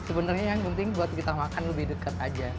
sebenarnya yang penting buat kita makan lebih dekat aja